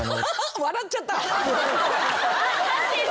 笑っちゃった。